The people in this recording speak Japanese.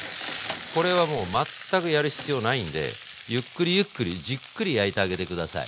これはもう全くやる必要ないんでゆっくりゆっくりじっくり焼いてあげて下さい。